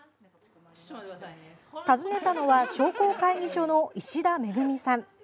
訪ねたのは商工会議所の石田芽久美さん。